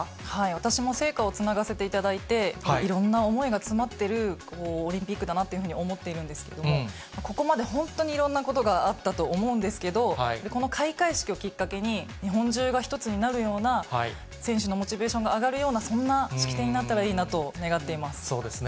私も聖火をつながせていただいて、いろんな思いが詰まってるオリンピックだなっていうふうに思っているんですけれども、ここまで本当にいろんなことがあったと思うんですけれども、この開会式をきっかけに、日本中が一つになるような、選手のモチベーションが上がるような、そんな式典になったらいいなと願そうですね。